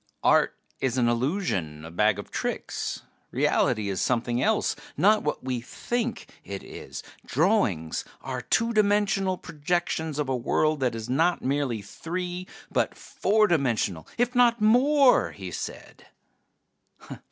"Art is an illusion, a bag of tricks. Reality is something else, not what we think it is. Drawings are two dimensional projections of a world that is not merely three but four dimensional, if not more," he said.